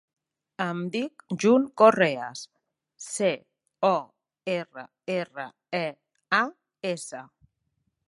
Em dic June Correas: ce, o, erra, erra, e, a, essa.